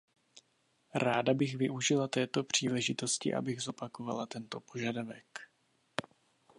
Ráda bych využila této příležitosti, abych zopakovala tento požadavek.